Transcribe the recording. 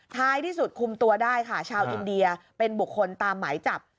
ท้ายที่สุดคุมตัวได้ค่ะชาวอินเดียเป็นบุคคลตามหมายจับ